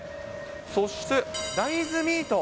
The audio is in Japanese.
そして、大豆ミート。